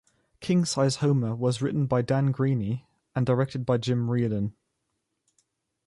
"King-Size Homer" was written by Dan Greaney, and directed by Jim Reardon.